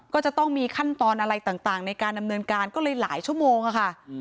ก็จะต้องมีขั้นตอนอะไรต่างในการดำเนินการก็เลยหลายชั่วโมงค่ะ